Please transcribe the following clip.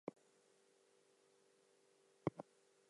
Soon afterwards the team played another friendly match against Moldova.